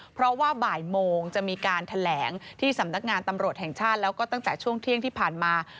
เพราะว่าบ่ายโมงจะมีการแถลงที่สำนักงานตำรวจแห่งชาติแล้วก็ตั้งแต่ช่วงเที่ยงที่ผ่านมา